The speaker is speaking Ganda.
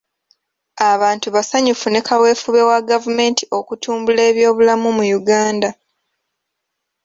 Abantu basanyufu ne kaweefube wa gavumenti okutumbula ebyobulamu mu Uganda